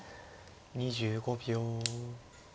２５秒。